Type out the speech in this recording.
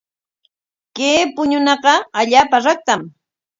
Kay puñunaqa allaapa raktam.